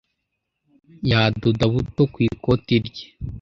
Yadoda buto ku ikoti rye.